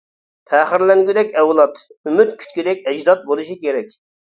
پەخىرلەنگۈدەك ئەۋلاد، ئۈمىد كۈتكۈدەك ئەجداد بولۇشى كېرەك!